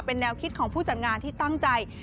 แนวคิดของผู้จัดงานที่ตั้งใจ